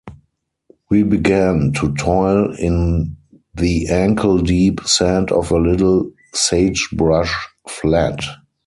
We began to toil in the ankle-deep sand of a little sagebrush flat.